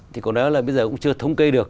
thì có lẽ là bây giờ cũng chưa thống kê được